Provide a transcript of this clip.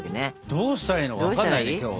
どうしたらいいのか分かんないね今日は。